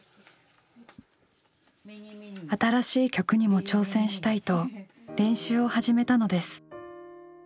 新しい曲にも挑戦したいと練習を始めたのです。